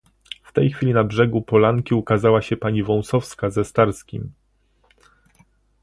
"W tej chwili na brzegu polanki ukazała się pani Wąsowska ze Starskim."